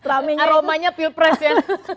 aromanya pilpres ya